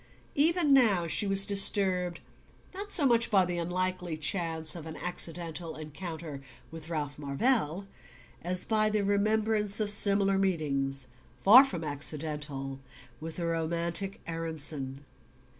Even now she was disturbed not so much by the unlikely chance of an accidental encounter with Ralph Marvell as by the remembrance of similar meetings, far from accidental, with the romantic Aaronson.